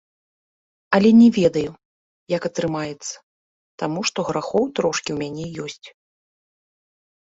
Але не ведаю, як атрымаецца, таму што грахоў трошкі ў мяне ёсць.